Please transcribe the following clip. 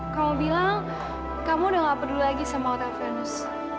kamu bilang kamu sudah tidak perlu lagi sama hotel venus